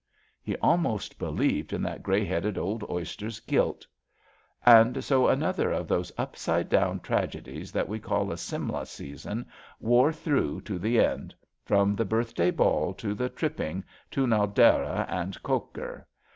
He almost believed in that grey headed old oyster's guilt. And so another of those upside down tragedies that we call a Simla Season wore through to the end — ^frpm the Birthday Ball to the " tripping '' to Naldera and Kotghar.